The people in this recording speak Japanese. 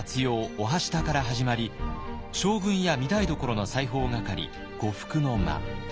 「御半下」から始まり将軍や御台所の裁縫係「呉服之間」。